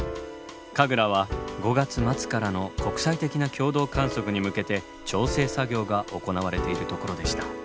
ＫＡＧＲＡは５月末からの国際的な共同観測に向けて調整作業が行われているところでした。